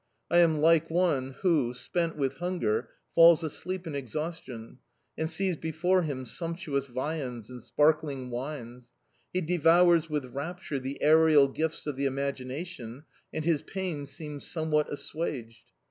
I am like one who, spent with hunger, falls asleep in exhaustion and sees before him sumptuous viands and sparkling wines; he devours with rapture the aerial gifts of the imagination, and his pains seem somewhat assuaged.